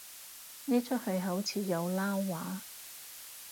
呢齣戲好似有撈話